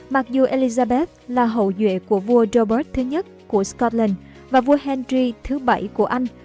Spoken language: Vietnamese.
mặc dù elizabeth là hậu vệ của vua robert i của scotland và vua henry vii của anh